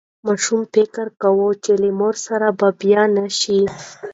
ماشوم فکر کوي چې له مور سره به بیا نه شي.